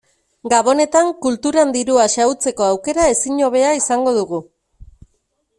Gabonetan kulturan dirua xahutzeko aukera ezin hobea izango dugu.